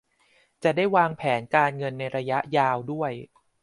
จะได้วางแผนการเงินในระยะยาวด้วย